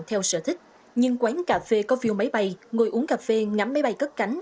theo sở thích nhưng quán cà phê có view máy bay ngồi uống cà phê ngắm máy bay cất cánh